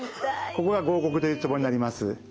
ここが合谷というツボになります。